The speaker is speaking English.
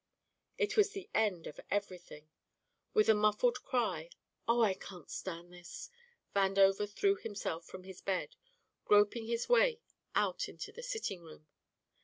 It was the end of everything! With a muffled cry, "Oh, I can't stand this!" Vandover threw himself from his bed, groping his way out into the sitting room.